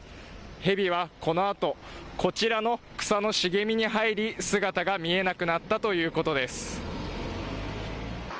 ヘビはこのあとこちらの草の茂みに入り姿が見えなくなったということです。